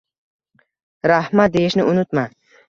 «Rahmat!» deyishni unutma